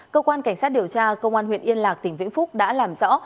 cơ quan cảnh sát điều tra công an huyện yên lạc tỉnh vĩnh phúc đã làm rõ